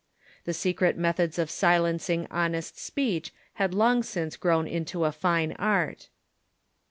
The secret methods of silencing honest speech had long since groAvn into a fine art.